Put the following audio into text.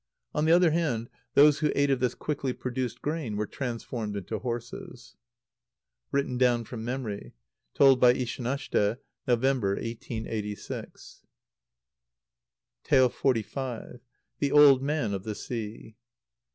On the other hand, those who ate of this quickly produced grain were transformed into horses. (Written down from memory. Told by Ishanashte, November, 1886.) xlv. _The Old Man of the Sea.